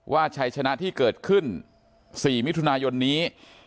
ชัยชนะที่เกิดขึ้น๔มิถุนายนนี้